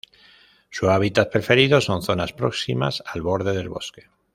Su hábitat preferido son zonas próximas al borde del bosque.